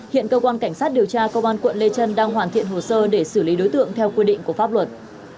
hiện cơ quan cảnh sát điều tra công an quận lê trân đang hoàn thiện hồ sơ để xử lý đối tượng theo quy định của pháp luật